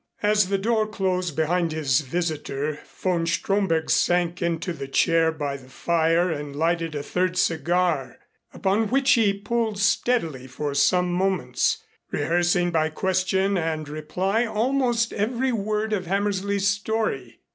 As the door closed behind his visitor von Stromberg sank into the chair by the fire and lighted a third cigar, upon which he pulled steadily for some moments, rehearsing by question and reply almost every word of Hammersley's story.